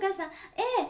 ええ。